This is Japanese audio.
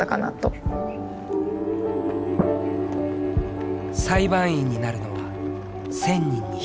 裁判員になるのは１０００人に１人。